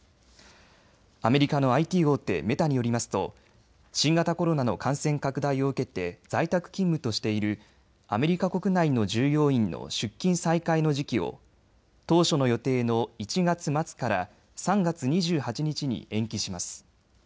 アメリカのＩＴ大手、メタによりますと新型コロナの感染拡大を受けて在宅勤務としているアメリカ国内の従業員の出勤再開の時期を当初の予定の１月末から３月２８日に延期します。